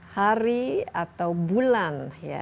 hari atau bulan